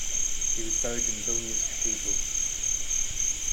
He was buried in Vilnius Cathedral.